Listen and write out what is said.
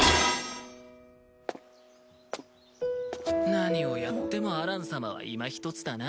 何をやってもアラン様はいまひとつだな。